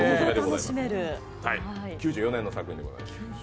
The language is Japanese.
９４年の作品でございます。